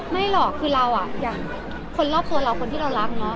ไม่หรอกคือเราอ่ะอย่างคนรอบตัวเราคนที่เรารักเนาะ